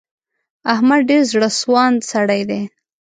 احمد ډېر زړه سواندی سړی دی.